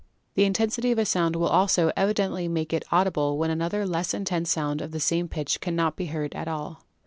The intensity of a sound will SOUND 125 also evidently make it audible when another less intense sound of the same pitch cannot be heard at all.